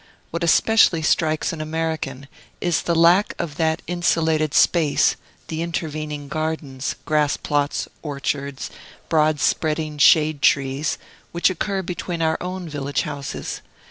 What especially strikes an American is the lack of that insulated space, the intervening gardens, grass plots, orchards, broad spreading shade trees, which occur between our own village houses.